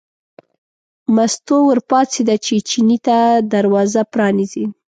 مستو ور پاڅېده چې چیني ته دروازه پرانیزي.